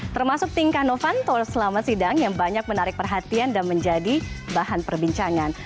termasuk tingkah novanto selama sidang yang banyak menarik perhatian dan menjadi bahan perbincangan